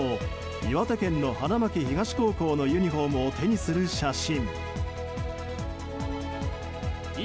岩手県の花巻東高校のユニホームを手にする写真。